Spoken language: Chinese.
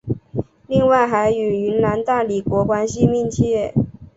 另外还与云南大理国关系密切。